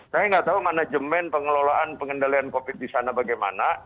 saya nggak tahu manajemen pengelolaan pengendalian covid di sana bagaimana